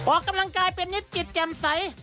ออกกำลังกายเป็นนิดจิตแจ่มใส